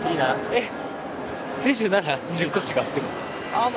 えっ？